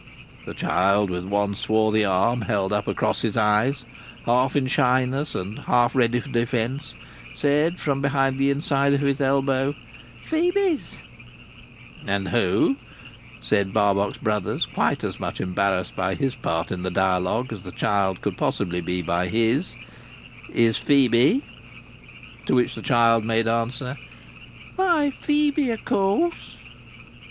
The child, with one swarthy arm held up across his eyes, half in shyness, and half ready for defence, said from behind the inside of his elbow: "Phœbe's." "And who," said Barbox Brothers, quite as much embarrassed by his part in the dialogue as the child could possibly be by his, "is Phœbe?" To which the child made answer: "Why, Phœbe, of course."